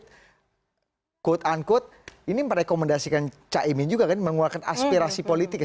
jadi quote unquote ini merekomendasikan caimin juga kan menguatkan aspirasi politik